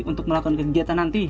untuk melakukan kegiatan nanti